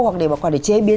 hoặc để bảo quản để chế biến